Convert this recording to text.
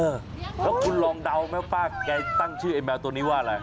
แล้วคุณลองเดาไหมป้าแกตั้งชื่อไอ้แมวตัวนี้ว่าอะไร